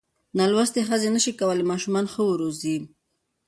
نالوستې ښځې نشي کولای ماشومان ښه وروزي.